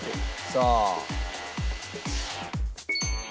さあ。